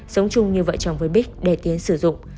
sống chung như vợ chồng với bích để tiến sử dụng